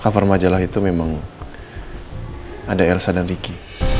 cover majalah itu memang ada ersa dan ricky